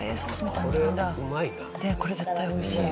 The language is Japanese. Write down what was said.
これ絶対おいしい。